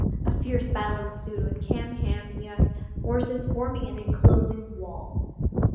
A fierce battle ensued, with Kamehameha's forces forming an enclosing wall.